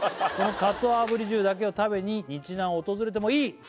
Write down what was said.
「このカツオ炙り重だけを食べに日南を訪れてもいい」